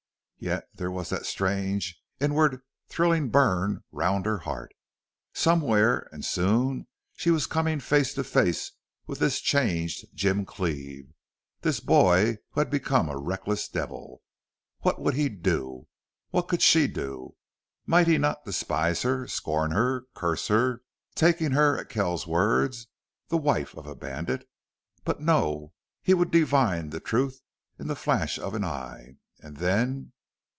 Yet there was that strange, inward, thrilling burn round her heart. Somewhere and soon she was coming face to face with this changed Jim Cleve this boy who had become a reckless devil. What would he do? What could she do? Might he not despise her, scorn her, curse her, taking her at Kells's word, the wife of a bandit? But no! he would divine the truth in the flash of an eye. And then!